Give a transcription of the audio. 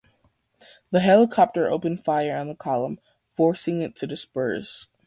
The helicopter opened fire on the column, forcing it to disperse...